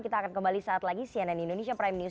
kita akan kembali saat lagi cnn indonesia prime news